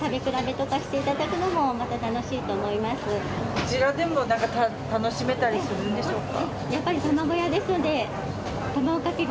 こちらでも楽しめたりするんでしょうか。